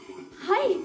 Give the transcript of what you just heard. はい。